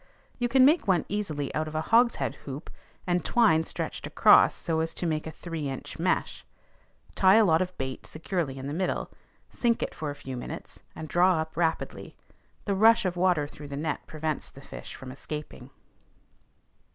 You can make one easily out of a hogshead hoop, and twine stretched across so as to make a three inch mesh. Tie a lot of bait securely in the middle, sink it for a few minutes, and draw up rapidly. The rush of water through the net prevents the fish from escaping.